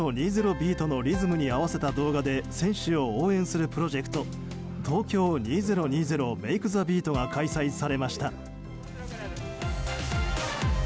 ビートのリズムに合わせた動画で選手を応援するプロジェクト「ＴＯＫＹＯ２０２０ＭａｋｅＴｈｅＢｅａｔ！」が開催されました。